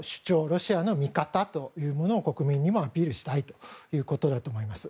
ロシアの見方というものを国民にアピールしたいということだと思います。